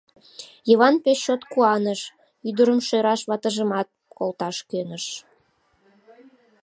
Йыван пеш чот куаныш, ӱдырым шӧраш ватыжымат колташ кӧныш.